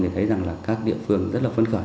thì thấy rằng là các địa phương rất là phấn khởi